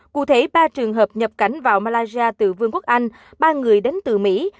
cụ thể ba trường hợp nhập cảnh vào malaysia từ vương quốc anh ba người đến từ mỹ